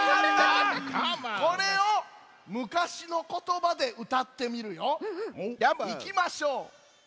これをむかしのことばでうたってみるよ。いきましょう。